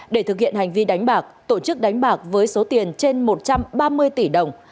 để thực hiện hành vi đánh bạc tổ chức đánh bạc với số tiền trên một trăm ba mươi tỷ đồng